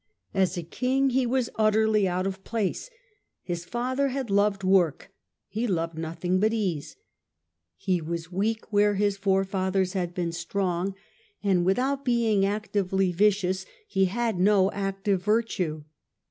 As a king he was utterly out of place. His father had loved work, he loved nothing but ease. He was weak where his forefathers had been strong, and without being actively vicious he had no active virtue.